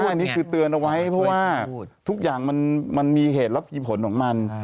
อันนี้คือเตือนเอาไว้เพราะว่าทุกอย่างมันมีเหตุและมีผลของมัน